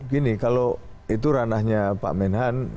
gini kalau itu ranahnya pak menhan